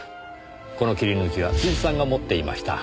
この切り抜きは辻さんが持っていました。